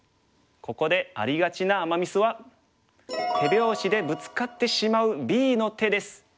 ここでありがちなアマ・ミスは手拍子でブツカってしまうＢの手です。